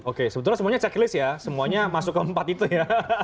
oke sebetulnya semuanya checklist ya semuanya masuk ke empat itu ya